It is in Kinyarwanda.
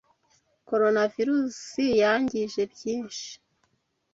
Coronavirusi yangije byinshi